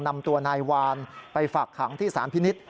นำตัวนายวานไปฝากขังที่สารพินิษฐ์